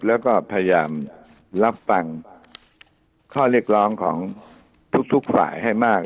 แล้วก็พยายามรับฟังข้อเรียกร้องของทุกฝ่ายให้มาก